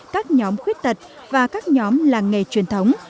các nhóm khuyết tật và các nhóm làng nghề truyền thống